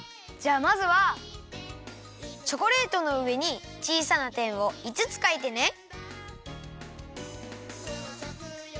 じゃあまずはチョコレートのうえにちいさなてんをいつつかいてね。